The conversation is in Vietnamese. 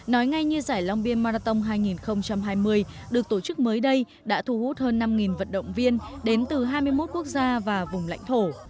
nói ngay như giải long biên marathon hai nghìn hai mươi được tổ chức mới đây đã thu hút hơn năm vận động viên đến từ hai mươi một quốc gia và vùng lãnh thổ